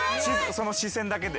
その視線だけで。